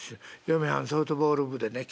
嫁はんソフトボール部でね